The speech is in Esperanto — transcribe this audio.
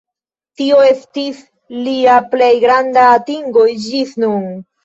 Tio estis lia plej granda atingo ĝis nun.